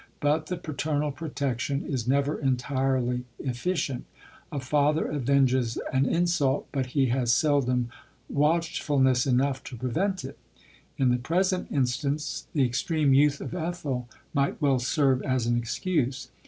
But the paternal protection is never entirely efficient. A father avenges an insult ; but he has seldom watchfulness enough to prevent it. In the present instance, the extreme youth of Ethel might well serve as an excuse.